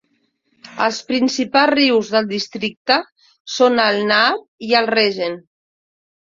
Els principals rius del districte són el Naab i el Regen.